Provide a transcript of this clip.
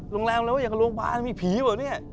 โรงแรมอะไรวะอยากลงบ้านมีผีเหรอเนี่ย